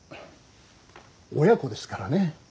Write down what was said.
親子ですからね